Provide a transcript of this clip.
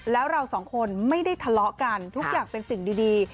แล้วเราสองคนไม่ได้ทะเลาะกันทุกอย่างเป็นสิ่งดี